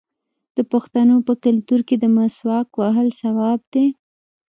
د پښتنو په کلتور کې د مسواک وهل ثواب دی.